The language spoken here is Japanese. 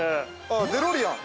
◆あっ、デロリアン。